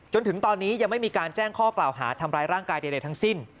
จนถึงตอนนี้ยังไม่มีการแจ้งข้อกล่าวหาทำร้ายร่างกายใดทั้งสิ้น